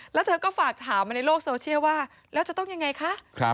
แล้วเธอก็ฝากถามมาในโลกโซเชียลว่าแล้วจะต้องยังไงคะ